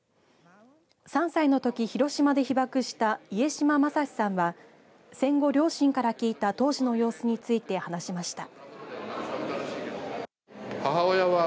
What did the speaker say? ３歳のとき、広島で被爆した家島昌志さんは戦後、両親から聞いた当時の様子について話しました。